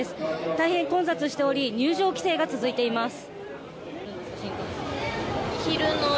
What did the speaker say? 大変混雑しており入場規制が続いています。